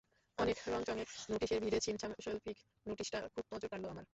অনেক রংচঙে নোটিশের ভিড়ে ছিমছাম শৈল্পিক নোটিশটা খুব নজর কাড়ল আমার।